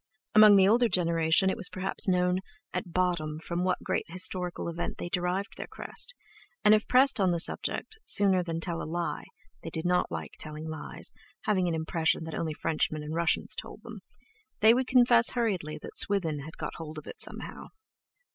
Among the older generation it was perhaps known at bottom from what great historical event they derived their crest; and if pressed on the subject, sooner than tell a lie—they did not like telling lies, having an impression that only Frenchmen and Russians told them—they would confess hurriedly that Swithin had got hold of it somehow.